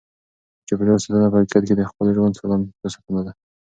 د چاپیریال ساتنه په حقیقت کې د خپل ژوند د سلامتیا ساتنه ده.